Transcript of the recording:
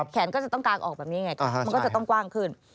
แขนก็จะต้องกางออกแบบนี้ไงมันก็จะต้องกว้างขึ้น